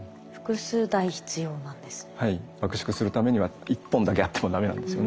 爆縮するためには１本だけあっても駄目なんですよね。